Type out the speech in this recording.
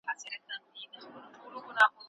لارښود استاد ته پکار ده چي اړین معلومات ضرور ولري.